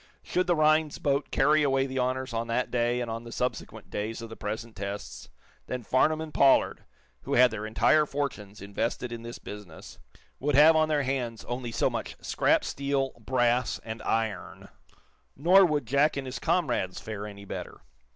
Should the Rhinds boat carry away the honors on that day and on the subsequent days of the present tests, then Farnum and Pollard, who had their entire fortunes invested in this business, would have on their hands only so much scrap steel, brass and iron. Nor would Jack and his comrades fare any better.